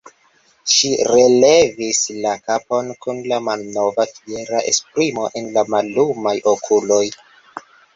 Ŝi relevis la kapon kun la malnova fiera esprimo en la mallumaj okuloj.